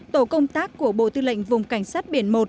tổ công tác của bộ tư lệnh vùng cảnh sát biển một